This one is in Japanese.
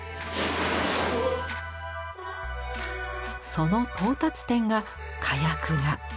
その到達点が火薬画。